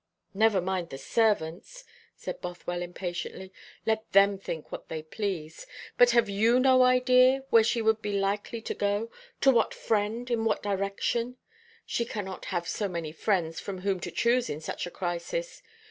"Never mind the servants," said Bothwell impatiently. "Let them think what they please. But have you no idea where she would be likely to go to what friend, in what direction? She cannot have so many friends from whom to choose in such a crisis.